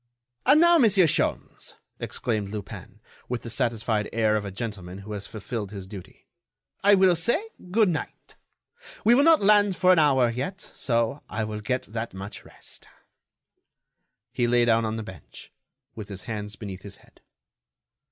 "And now, Monsieur Sholmes," exclaimed Lupin, with the satisfied air of a gentleman who has fulfilled his duty, "I will say good night. We will not land for an hour yet, so I will get that much rest." He lay down on the bench, with his hands beneath his head.